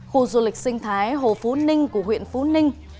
khu du lịch sinh thái hồ phú ninh của huyện phú ninh